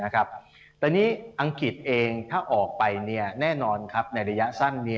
แต่นี่อังกฤษเองถ้าออกไปแน่นอนครับในระยะสั้นนี้